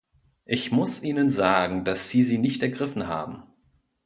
Ich muss Ihnen sagen, dass Sie sie nicht ergriffen haben.